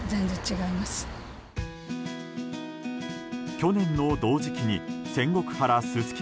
去年の同時期に仙石原すすき